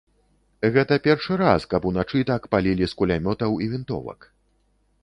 Гэта першы раз, каб уначы так палілі з кулямётаў і вінтовак.